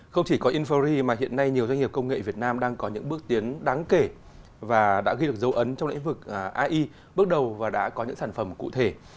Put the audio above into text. không chỉ có infori mà hiện nay nhiều doanh nghiệp công nghệ việt nam đang có những bước tiến đáng kể và đã ghi được dấu ấn trong lĩnh vực ai bước đầu và đã có những sản phẩm cụ thể